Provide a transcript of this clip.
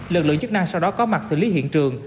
lực lượng chức năng sau đó có mặt xử lý hiện trường